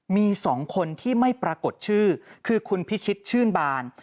มี๒คนที่ไม่ปรากฏชื่อคือคุณพิชิตชื่นบาน